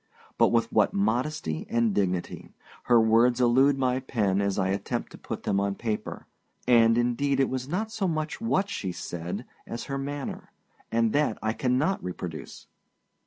But with what modesty and dignity! Her words elude my pen as I attempt to put them on paper; and, indeed, it was not so much what she said as her manner; and that I cannot reproduce.